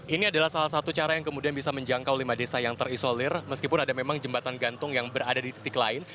ini adalah salah satu cara yang kemudian bisa menjangkau lima desa yang terisolir meskipun ada memang jembatan gantung yang berada di titik lain